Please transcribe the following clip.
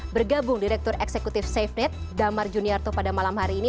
bergabung direktur eksekutif safenet damar juniarto pada malam hari ini